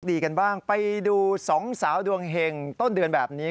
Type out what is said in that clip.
ดีกันบ้างไปดูสองสาวดวงเห็งต้นเดือนแบบนี้